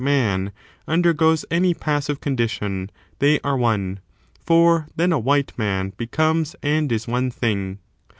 man — undergoes any passive condition, they are one, for then a white man becomes and is one thing.